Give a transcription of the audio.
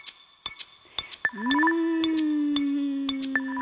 うん。